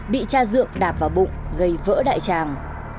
đã dựng đạp vào bụng gây vỡ đại tràng